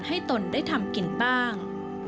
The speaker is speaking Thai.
ตนได้ทำกินบ้าง